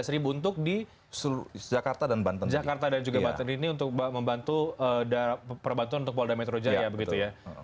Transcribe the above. lima belas ribu untuk di jakarta dan juga banten ini untuk membantu perbantuan untuk polda metro jaya begitu ya